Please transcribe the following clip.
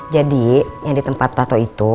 jadi yang di tempat tato itu